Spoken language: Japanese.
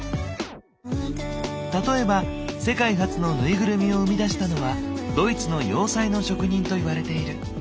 例えば世界初のぬいぐるみを生み出したのはドイツの洋裁の職人といわれている。